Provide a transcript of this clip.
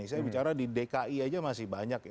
saya bicara di dki aja masih banyak ya